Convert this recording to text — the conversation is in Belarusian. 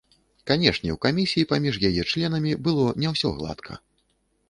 Канешне, у камісіі паміж яе членамі было не ўсё гладка.